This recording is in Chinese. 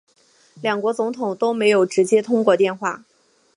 两国总统都没有直接通过电话